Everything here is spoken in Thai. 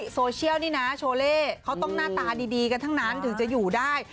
โซเชียลนี่นะโชเล่เขาต้องหน้าตาดีกันทั้งนั้นถึงจะอยู่ได้